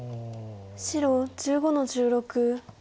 白１５の十六。